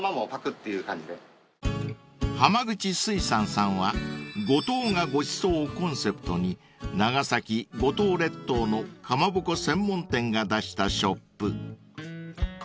［浜口水産さんは「五島がごちそう。」をコンセプトに長崎五島列島のかまぼこ専門店が出したショップ］